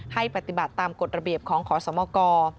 ให้ปฏิบัติตามกฎระเบียบของขอสมก